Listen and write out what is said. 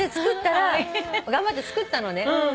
頑張って作ったのね。